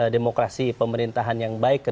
demokrasi pemerintahan yang baik